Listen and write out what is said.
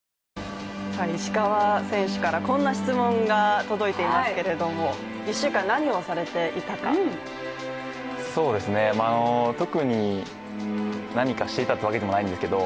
石川選手からこんな質問が届いていますけれども特に何かしていたというわけでもないんですけど、